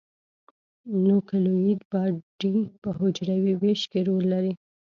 نوکلوئید باډي په حجروي ویش کې رول لري.